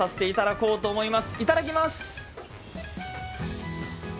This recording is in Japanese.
いただきます！